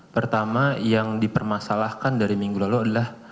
pertama yang dipermasalahkan dari minggu lalu adalah